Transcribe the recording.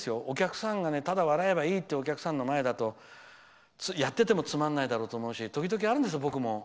お客さんがただ笑えばいいというお客さんの前だとやっててもつまらないだろうと思うし時々、僕もあるんですよ。